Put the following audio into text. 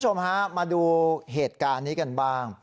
คุณผู้ชมฮะมาดูเหตุการณ์นี้กันบ้าง